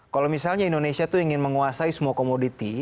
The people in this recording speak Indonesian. kalau misalnya indonesia itu ingin menguasai semua komoditi